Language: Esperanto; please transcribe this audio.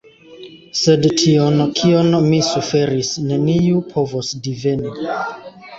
Sed tion, kion mi suferis, neniu povos diveni.